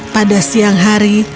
pada siang hari